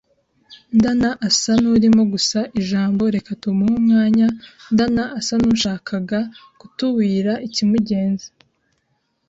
ndana asa n’urimo gusa ijamo reka tumuhe umwanya ndana asa n’ushakaga kutuwira ikimugenza